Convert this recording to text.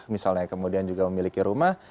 misalnya kemudian juga memiliki rumah